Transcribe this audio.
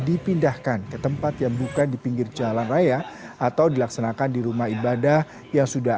dipindahkan ke tempat yang bukan di pinggir jalan raya atau dilaksanakan di rumah ibadah yang sudah